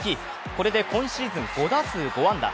これで今シーズン５打数５安打。